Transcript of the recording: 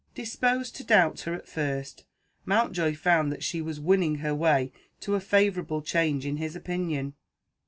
Disposed to doubt her at first, Mountjoy found that she was winning her way to a favourable change in his opinion.